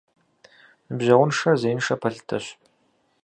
Ныбжьэгъуншэр зеиншэ пэлъытэщ.